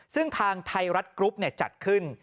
ซึ่งทางไทยรัฐกรุ๊ปจัดขึ้น